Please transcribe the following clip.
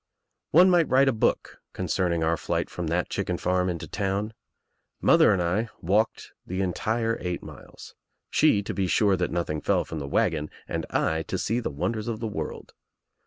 One might write a book concerning our flight from the chicken farm into town. Mother and I walked the entire eight miles — she to be sure that nothing fell from the wagon and 1 to see the wonders of the world.